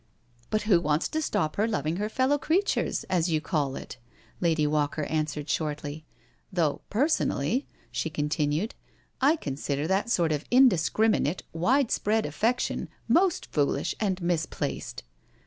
" But who wants to stop her loving her fellow creatures, as you call it," Lady Walker answered shortly, " though personally," she continued, " I con sider that sort of indiscriminate, widespread affection, most foolish and misplaced.